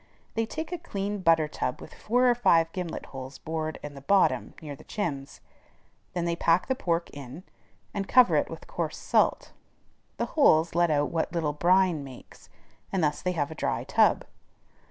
They take a clean butter tub with four or five gimlet holes bored in the bottom near the chimbs. Then they pack the pork in, and cover it with coarse salt; the holes let out what little brine makes, and thus they have a dry tub.